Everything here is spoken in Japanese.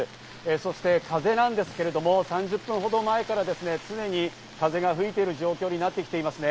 そして風なんですけれども、３０分ほど前から常に風が吹いている状況になってきていますね。